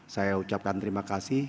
saya ucapkan terima kasih